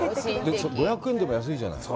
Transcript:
５００円でも安いじゃない？